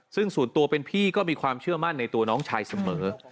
ซึ่งส่วนตัวเป็นพี่ก็มีความเชื่อมั่นในตัวน้องชายเสมอ